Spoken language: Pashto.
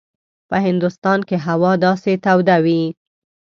په هندوستان کې هوا داسې توده وي.